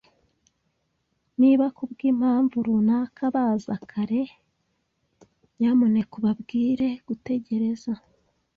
Niba kubwimpamvu runaka baza kare, nyamuneka ubabwire gutegereza.